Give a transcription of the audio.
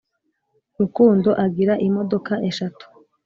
Rukundo agira imodoka eshatu